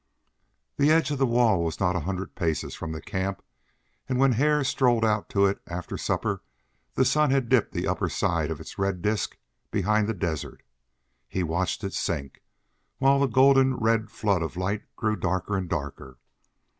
The edge of the wall was not a hundred paces from the camp; and when Hare strolled out to it after supper, the sun had dipped the under side of its red disc behind the desert. He watched it sink, while the golden red flood of light grew darker and darker.